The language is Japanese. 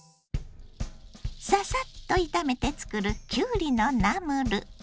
ササッと炒めてつくるきゅうりのナムル。